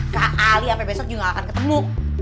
kak ali sampe besok juga gak akan ketemu